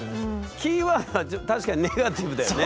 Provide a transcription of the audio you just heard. キーワードは確かにネガティブだよね。